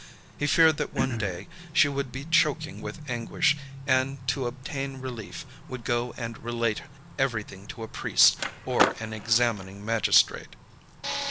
He feared that one day she would be choking with anguish, and to obtain relief, would go and relate everything to a priest or an examining magistrate.